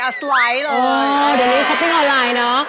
เดี๋ยวนี้ช้อปปิ้งออนไลน์เนอะ